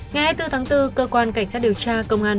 ngày hai mươi bốn tháng bốn cơ quan cảnh sát điều tra công an